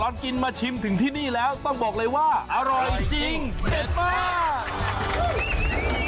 กินมาชิมถึงที่นี่แล้วต้องบอกเลยว่าอร่อยจริงเด็ดมาก